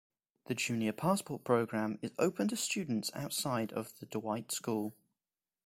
The Junior Passport Program is open to students outside of The Dwight School.